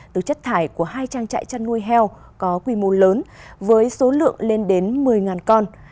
từ chất thải của hai trang trại chăn nuôi heo có quy mô lớn với số lượng lên đến một mươi con